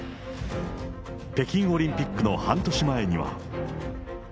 北京オリンピックの半年前には。